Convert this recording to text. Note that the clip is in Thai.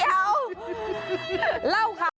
เล่าข่าวโคมลอย